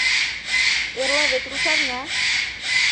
Эрла вет рушарня.